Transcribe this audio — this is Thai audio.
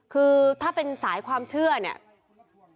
คือถ้าเป็นสายความเชื่อเนี่ย